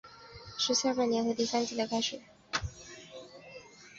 是下半年和第三季的开始。